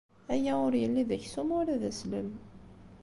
Aya ur yelli d aksum wala d aslem.